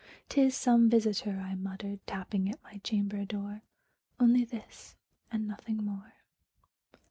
"'T is some visiter," I muttered, "tapping at my chamber door Only this, and nothing more."